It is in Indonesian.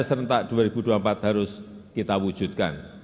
serentak dua ribu dua puluh empat harus kita wujudkan